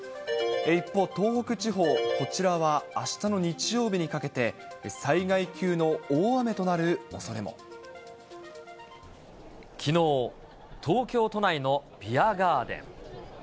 一方、東北地方、こちらはあしたの日曜日にかけて、災害級の大雨きのう、東京都内のビアガーデン。